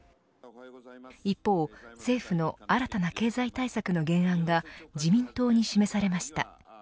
一方、政府の新たな経済対策の原案が自民党に示されました。